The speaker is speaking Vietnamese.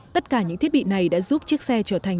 tất cả những thiết bị này đã giúp chiếc xe trở thành